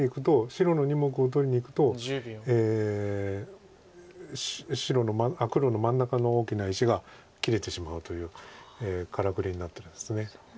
白の２目を取りにいくと黒の真ん中の大きな石が切れてしまうというからくりになってるんです。